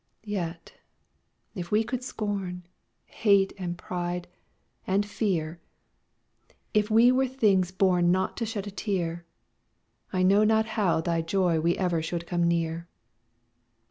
Yet if we could scorn Hate, and pride, and fear; If we were things born Not to a shed a tear, I know not how thy joy we ever should come near.